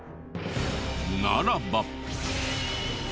ならば。